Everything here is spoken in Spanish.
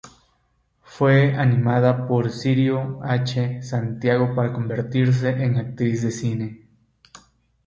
Fue animada por Cirio H. Santiago para convertirse en actriz de cine.